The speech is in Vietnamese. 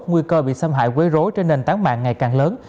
nguy cơ bị xâm hại quấy rối trên nền tảng mạng ngày càng lớn